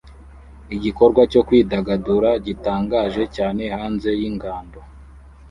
Igikorwa cyo kwidagadura gitangaje cyane hanze yingando